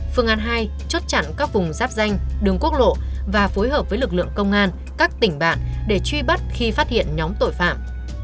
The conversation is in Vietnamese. phương án hai chốt chặn các vùng giáp danh đường quốc lộ và phối hợp với lực lượng công an các tỉnh bạn để truy bắt khi phát hiện nhóm tội phạm